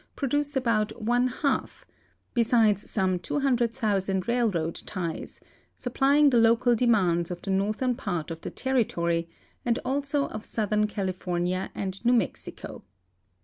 roduce about one half, besides some 200,000 railroad ties, supplying the local demands of the northern part of the territory and also of southern California and New Mexico.